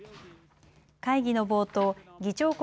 会議の冒頭、議長国